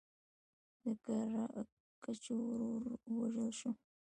د ګراکچوس ورور ووژل شو.